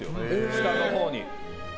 下のほうに。